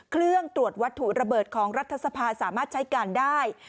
เครื่องตรวจวัตถุระเบิดของรัฐสภาสามารถใช้การได้